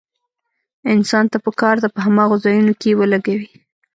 انسان ته پکار ده په هماغو ځايونو کې يې ولګوي.